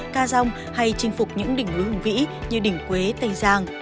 ca rong hay chinh phục những đỉnh lối hùng vĩ như đỉnh quế tây giang